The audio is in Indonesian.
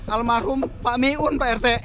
almarhum pak miun pak rt